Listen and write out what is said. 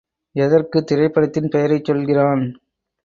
எதற்கு? திரைப்படத்தின் பெயரைச் சொல்கிறான்.